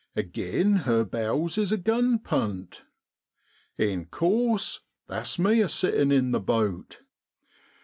Agin her bows is a gun punt. In course that's me a sitting in the boat.